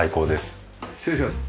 失礼します。